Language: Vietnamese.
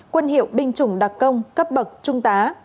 quân hiệu binh chủng đặc công cấp bậc trung tá